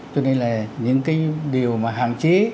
cho nên là những cái điều mà hạn chế